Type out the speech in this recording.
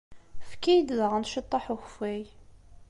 Efk-iyi-d daɣen ciṭṭaḥ n ukeffay.